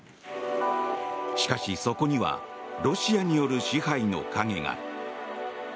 しかしそこにはロシアによる支配の影が。